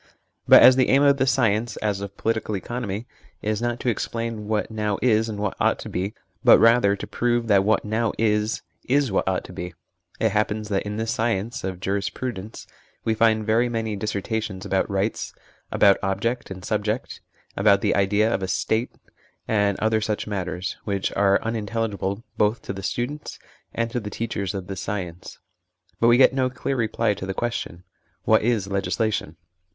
But as the aim of this science, as of political economy, is not to explain what now is and what ought to be, but rather to prove that what now is, is what ought to be, it happens that in this science (of jurisprudence) we find very many dissertations about rights, about ob ject and subject, about the idea of a State, and other such matters, which are unintelligible both to the students and to the teachers of this science ; but we get no clear reply to the ques tion what is legislation